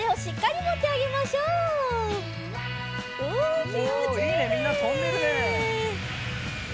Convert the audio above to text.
おいいねみんなとんでるね。